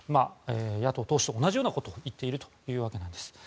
野党党首と同じようなことを言っているということです。